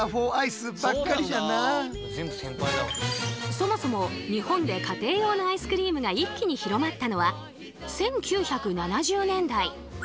そもそも日本で家庭用のアイスクリームが一気に広まったのは１９７０年代！